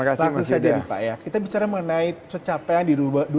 langsung saja nih pak kita bicara mengenai pencapaian di dua ribu dua puluh dua